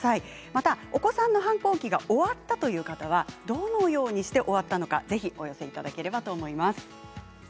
またお子さんの反抗期が終わったという方は、どのようにして終わったのか、ぜひお寄せいただければと思います。